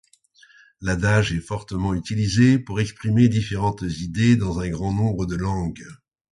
L'adage est fortement utilisé pour exprimer différentes idées dans un grand nombre de langues.